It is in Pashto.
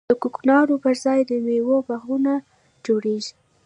د کوکنارو پر ځای د میوو باغونه جوړیږي.